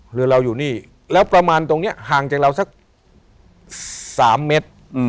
หรือเราอยู่นี่แล้วประมาณตรงนี้ห่างจากเราสัก๓เมตร